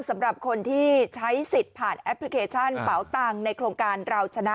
สำหรับคนที่ใช้สิทธิ์ผ่านแอปพลิเคชันเป๋าตังค์ในโครงการเราชนะ